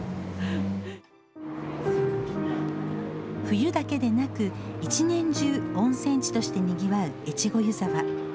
冬だけでなく一年中、温泉地としてにぎわう越後湯沢。